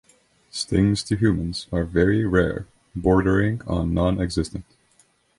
Stings to humans are very rare, bordering on non-existent.